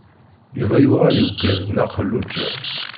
Yuba yuɣal yugad Nna Xelluǧa.